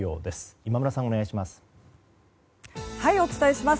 今村さん、お願いします。